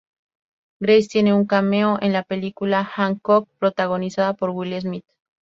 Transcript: Grace tiene un cameo en la película "Hancock", protagonizada por Will Smith.